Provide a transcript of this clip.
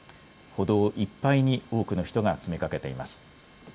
歩道いっぱいに多くの人が詰めかけています。